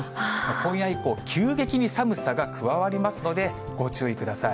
今夜以降、急激に寒さが加わりますので、ご注意ください。